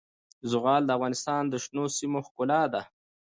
زغال د افغانستان د شنو سیمو ښکلا ده.